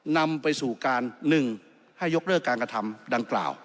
นำไปสู่การ๑ให้ยกเลิกการกระทำดังกล่าว